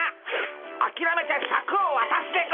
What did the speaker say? あきらめてシャクをわたすでゴ。